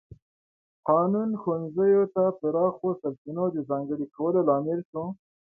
قانون ښوونځیو ته پراخو سرچینو د ځانګړي کولو لامل شو.